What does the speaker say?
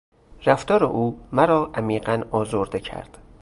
رفتار او مرا عمیقا آزرده کرد.